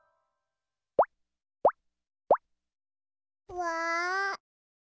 うわ。